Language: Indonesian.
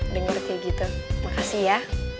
dengar kayak gitu makasih ya